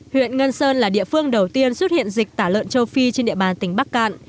huyện ngân sơn là địa phương đầu tiên xuất hiện dịch tả lợn châu phi trên địa bàn tỉnh bắc cạn